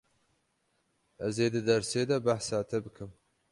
Ez ê di dersê de behsa te bikim.